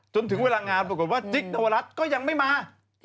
จนถึงเวลางานปรากฏว่าจิ๊กนวรัฐก็ยังไม่มา